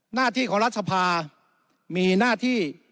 หน้าที่ของรัฐสภามีหน้าที่